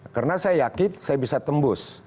karena saya yakin saya bisa tembus